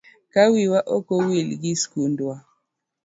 Ka wiwa ok owil gi skundwa.